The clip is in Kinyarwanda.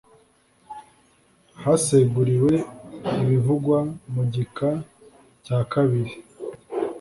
haseguriwe ibivugwa mu gika cya kabiri